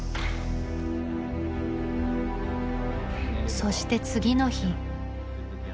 そして次の日。